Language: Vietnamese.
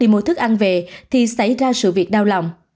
khi đi bộ vừa vào hẻm khoảng một mươi mét thì xảy ra sự việc đau lòng